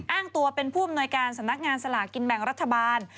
อ้างตัวเป็นผู้อำนวยการสำนักงานสลากกินแบ่งรัฐบาล